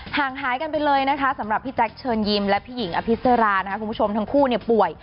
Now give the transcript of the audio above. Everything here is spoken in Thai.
งหายกันไปเลยนะคะสำหรับพี่แจ๊คเชิญยิ้มและพี่หญิงอภิษรานะคะคุณผู้ชมทั้งคู่ป่วย